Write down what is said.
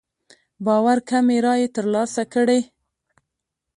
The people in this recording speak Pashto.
باور کمې رايې تر لاسه کړې.